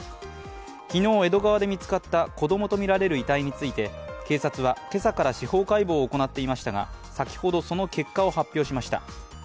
昨日江戸川で見つかった子供とみられる遺体について警察は今朝から司法解剖を行っていましたが、先ほど、その結果を発表しました。